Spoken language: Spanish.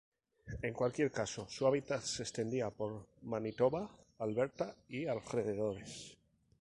En cualquier caso su hábitat se extendía por Manitoba, Alberta y alrededores.